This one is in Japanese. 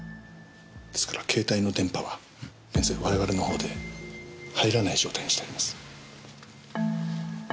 ですから携帯の電波は現在我々の方で入らない状態にしてあります。